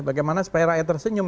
bagaimana supaya rakyat tersenyum